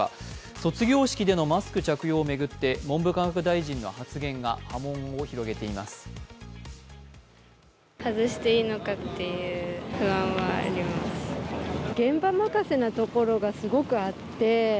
卒業式でのマスク着用を巡って、文部科学大臣の発言が波紋を広げています。